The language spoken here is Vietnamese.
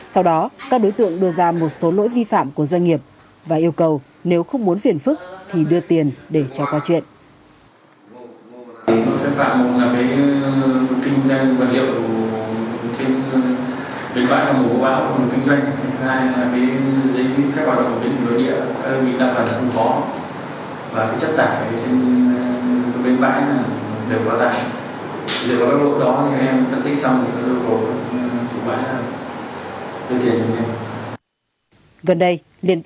sau đó các đối tượng đưa ra một số lỗi vi phạm của doanh nghiệp và yêu cầu nếu không muốn phiền phức thì đưa tiền để cho qua chuyện